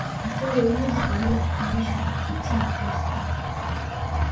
Misingi ya ujuzi kuandika kufundishwa hapa kupitia prism